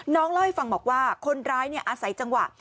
เล่าให้ฟังบอกว่าคนร้ายอาศัยจังหวะ